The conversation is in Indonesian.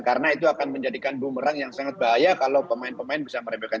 karena itu akan menjadikan bumerang yang sangat bahaya kalau pemain pemain bisa meremehkan